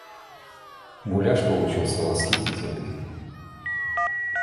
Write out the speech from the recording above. Гуляш получился восхитительный.